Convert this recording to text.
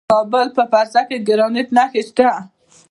د کابل په فرزه کې د ګرانیټ نښې شته.